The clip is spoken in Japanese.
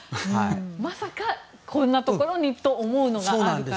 まさかこんなところにと思うのがあるから。